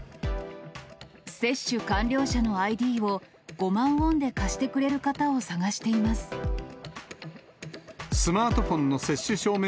接種完了者のＩＤを５万ウォンで貸してくれる方を探していまスマートフォンの接種証明